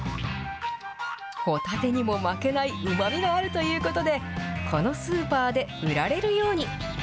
ホタテにも負けないうまみがあるということで、このスーパーで売られるように。